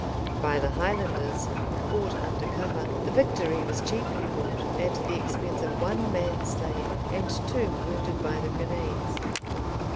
By the Highlanders, who fought under cover, the victory was cheaply bought, at the expense of one man slain and two wounded by the grenades.